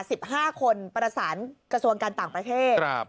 สิบห้าคนประสานกระทรวงการต่างประเทศครับ